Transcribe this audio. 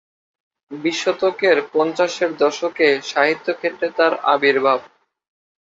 বিশ শতকের পঞ্চাশের দশকে সাহিত্যক্ষেত্রে তাঁর আবির্ভাব।